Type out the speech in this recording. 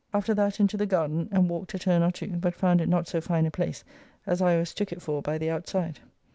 After that into the garden, and walked a turn or two, but found it not so fine a place as I always took it for by the outside.